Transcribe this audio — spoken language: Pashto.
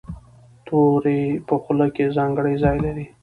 توری په خوله کې ځانګړی ځای لري.